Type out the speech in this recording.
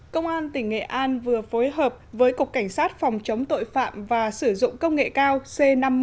công an tỉnh nghệ an vừa phối hợp với cục cảnh sát phòng chống tội phạm và sử dụng công nghệ cao c năm mươi